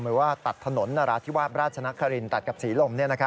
หรือว่าตัดถนนนราธิวาสราชนครินตัดกับศรีลม